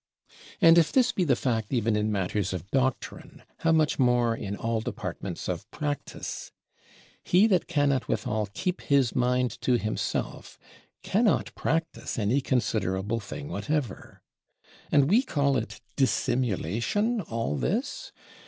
And if this be the fact even in matters of doctrine, how much more in all departments of practice! He that cannot withal keep his mind to himself cannot practice any considerable thing whatever. And we call it "dissimulation," all this?